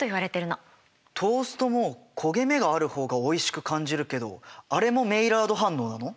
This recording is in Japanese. トーストも焦げ目がある方がおいしく感じるけどあれもメイラード反応なの？